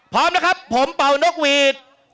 พร้อมนะครับผมเป่านกหวีด